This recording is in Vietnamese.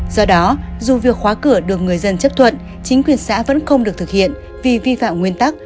do đó dù việc khóa cửa được người dân chấp thuận chính quyền xã vẫn không được thực hiện vì vi phạm nguyên tắc